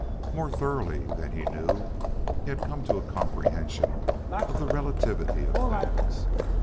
More thoroughly than he knew, had he come to a comprehension of the relativity of things.